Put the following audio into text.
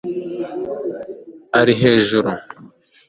ari mu ijuru